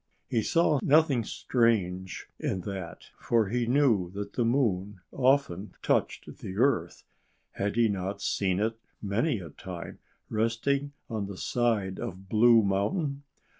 He saw nothing strange in that; for he knew that the moon often touched the earth. Had he not seen it many a time, resting on the side of Blue Mountain?